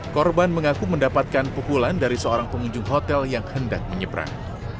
korban mengaku mendapatkan pukulan dari seorang pengunjung hotel yang hendak menyeberang